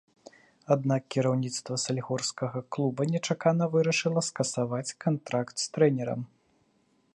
Аднак кіраўніцтва салігорскага клуба нечакана вырашыла скасаваць кантракт з трэнерам.